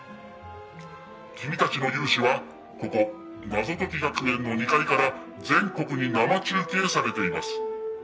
君たちの雄姿はここ謎解き学園の２階から全国に生中継されています。